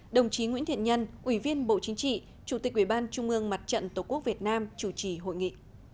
đồng chí nguyễn thiện nhân ủy viên bộ chính trị chủ tịch ubnd mặt trận tổ quốc việt nam chủ trì hội nghị